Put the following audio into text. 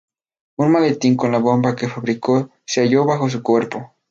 Un maletín con la bomba que fabricó se halló bajo su cuerpo.